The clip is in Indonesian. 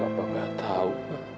papa gak tau